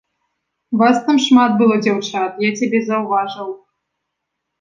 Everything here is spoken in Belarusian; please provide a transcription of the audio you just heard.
Вас там шмат было дзяўчат, я цябе заўважыў.